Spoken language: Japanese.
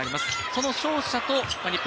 その勝者と日本